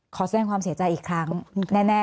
ขอแสดงความเสียใจอีกครั้งแน่